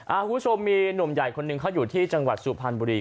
คุณผู้ชมมีหนุ่มใหญ่คนหนึ่งเขาอยู่ที่จังหวัดสุพรรณบุรี